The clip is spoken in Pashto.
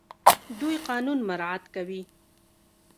دوی قانون مراعات کوي.